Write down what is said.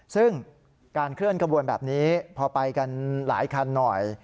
ซึ่งการเคลื่อนขบวนแบบนี้พอไปกันหลายคันหน่อย